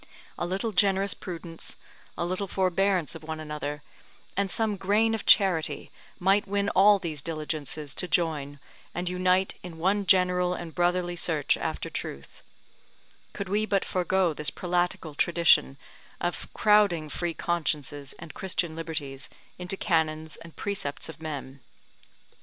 A little generous prudence, a little forbearance of one another, and some grain of charity might win all these diligences to join, and unite in one general and brotherly search after truth; could we but forgo this prelatical tradition of crowding free consciences and Christian liberties into canons and precepts of men.